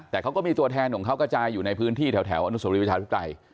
แต่เขาก็มีตัวแทนของเขากระจายอยู่ในพื้นที่แถวอนุสวรีประชาธิปไตย